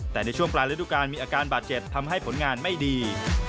แต่ในช่วงปลายฤดูการมีอาการบาดเจ็บทำให้ผลงานไม่ดี